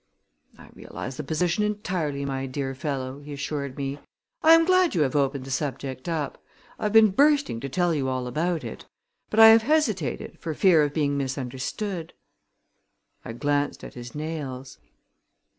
"I realize the position entirely, my dear fellow," he assured me. "I am glad you have opened the subject up. I have been bursting to tell you all about it; but I have hesitated for fear of being misunderstood." I glanced at his nails.